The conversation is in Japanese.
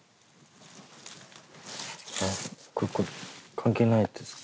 関係ないやつですか？